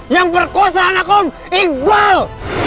yang berkosa anak om iqbal